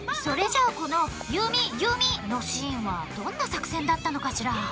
それじゃあ、この「ゆうみゆうみ」のシーンはどんな作戦だったのかしら？